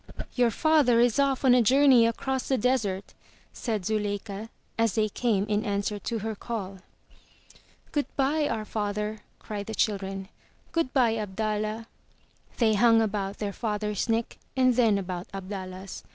*'Your father is off on a journey across the desert," said Zuleika, as they came in answer to her call. ''Good by, our father!'' cried the children. Good by, Abdallah!'* They hung about their father's neck and then about Abdallah's.